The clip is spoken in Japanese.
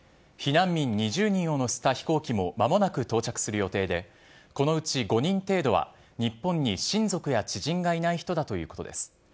避難民２０人を乗せた飛行機もまもなく到着する予定で、このうち５人程度は日本に親族や知人がいない人だということです。